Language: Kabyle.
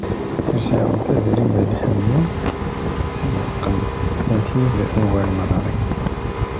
Serseɣ-d adrim d lḥenni, ḥedqemt a tid wer neɣri.